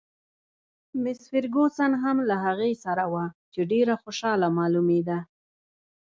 مس فرګوسن هم له هغې سره وه، چې ډېره خوشحاله معلومېده.